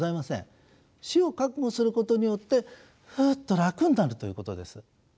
死を覚悟することによってフッと楽になるということです。